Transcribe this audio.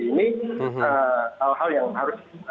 ini hal hal yang harus